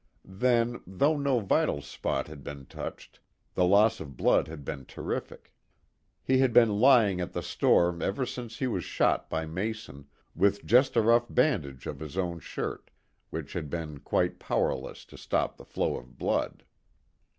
Then, though no vital spot had been touched, the loss of blood had been terrific. He had been left lying at the store ever since he was shot by Mason, with just a rough bandage of his own shirt, which had been quite powerless to stop the flow of blood.